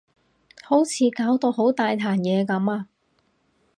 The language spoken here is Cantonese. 好似搞到好大壇嘢噉啊